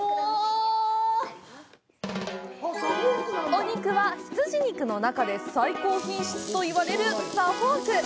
お肉は、羊肉の中で最高品質といわれるサフォーク。